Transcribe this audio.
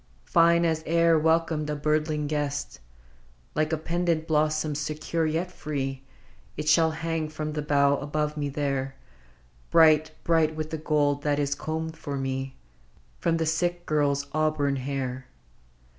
Fine as e'er welcomed a birdling guest : lO INTERCHANGE Like a pendent blossom, secure yet free, It shall hang from the bough above me there, Bright, bright with the gold that is combed for me From the sick girl's auburn hair